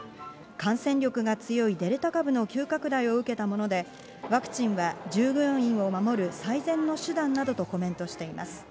感染力が強いデルタ株の急拡大を受けたもので、ワクチンは従業員を守る最善の手段などとコメントしています。